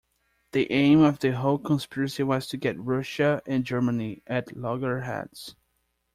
The aim of the whole conspiracy was to get Russia and Germany at loggerheads.